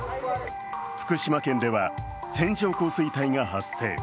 福島県では線状降水帯が発生。